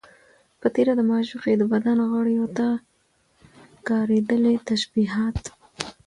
په تېره، د معشوقې د بدن غړيو ته کارېدلي تشبيهات